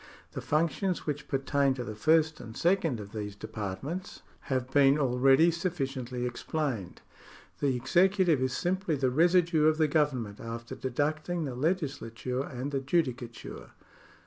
The functions which pertain to the first and second of these departments §41] THE STATE 111 have been already sufficiently explained. The executive is simply the residue of the government, after deducting the legi^^lature and the judicature.